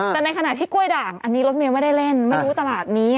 แต่ในขณะที่กล้วยด่างอันนี้รถเมย์ไม่ได้เล่นไม่รู้ตลาดนี้